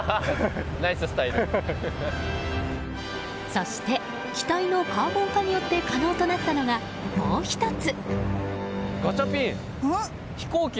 そして機体のカーボン化によって可能となったのが、もう１つ。